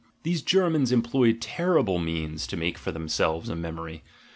These Germans em ployed terrible means to make for themselves a memory.